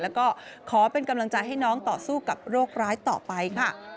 แล้วก็ขอเป็นกำลังใจให้น้องต่อสู้กับโรคร้ายต่อไปค่ะ